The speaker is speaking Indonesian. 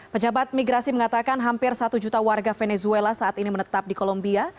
pejabat migrasi mengatakan hampir satu juta warga venezuela saat ini menetap di kolombia